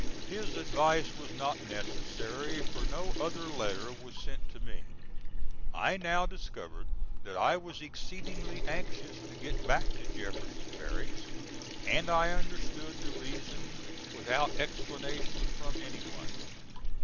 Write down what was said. His advice was not necessary, for no other letter was sent to me. I now discovered that I was exceedingly anxious to get back to Jefferson Barracks, and I understood the reason without explanation from any one.